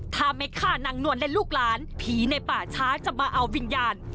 ถ้าไม่ฆ่านางนวลและลูกหลานผีในป่าช้าจะมาเอาวิญญาณ